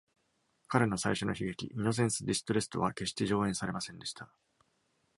彼の最初の悲劇「イノセンス・ディストレスト」は決して上演されませんでした。